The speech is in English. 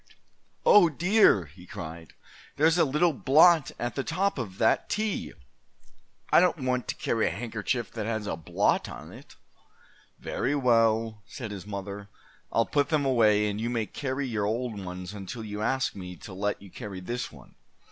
"Oh, dear," he cried, "there's a little blot at the top of that T! I don't want to carry a handkerchief that has a blot on it." "Very well," said his mother. "I'll put them away, and you may carry your old ones until you ask me to let you carry this one.